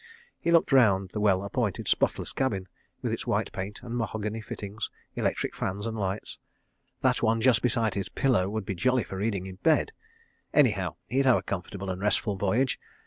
He looked round the well appointed, spotless cabin, with its white paint and mahogany fittings, electric fans and lights. That one just beside his pillow would be jolly for reading in bed. Anyhow, he'd have a comfortable and restful voyage.